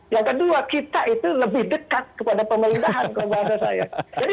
yang kedua kita itu lebih dekat kepada pemerintahan kalau bahasa saya